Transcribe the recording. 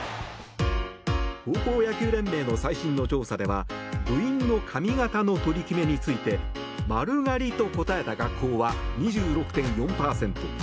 高校野球連盟の最新の調査では部員の髪形の取り決めについて丸刈りと答えた学校は２６．４％。